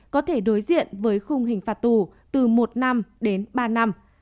có thể đối diện với khung hình phạt tù từ một năm đến ba năm